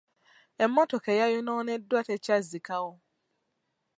Emmotoka eyayonooneddwa tekyazzikawo.